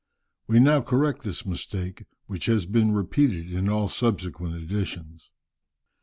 We now correct this mistake, which has been repeated in all subsequent editions.